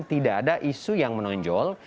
tidak ada isu yang menonjol